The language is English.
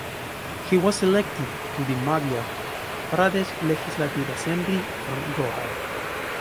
He was elected to the Madhya Pradesh Legislative Assembly from Gohad.